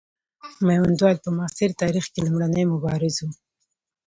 میوندوال په معاصر تاریخ کې لومړنی مبارز وو.